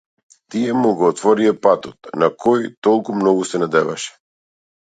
Тие му го отворија патот на кој толку многу се надеваше.